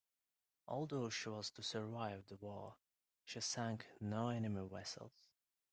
Although she was to survive the war, she sank no enemy vessels.